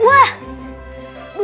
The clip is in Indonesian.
bu bupun ke kamar mandi ya